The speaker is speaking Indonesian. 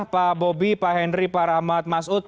pak bobby pak henry pak rahmat mas ud